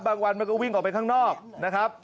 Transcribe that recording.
วันมันก็วิ่งออกไปข้างนอกนะครับ